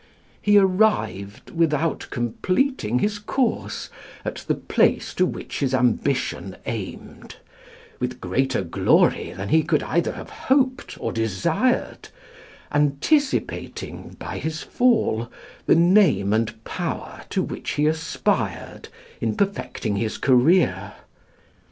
He arrived, without completing his course, at the place to which his ambition aimed, with greater glory than he could either have hoped or desired, anticipating by his fall the name and power to which he aspired in perfecting his career.